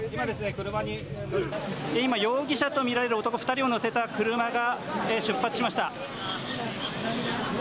今、容疑者と見られる男２人を乗せた車が出発しました。